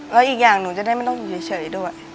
แล้วอีกอย่างหนูจะได้ไม่ต้องอยู่เฉยด้วย